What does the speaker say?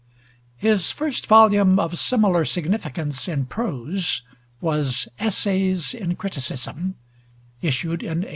His first volume of similar significance in prose was 'Essays in Criticism,' issued in 1865.